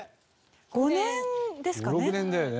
５年ですかね。